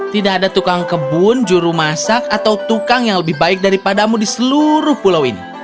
tidak ada tukang kebun juru masak atau tukang yang lebih baik daripadamu di seluruh pulau ini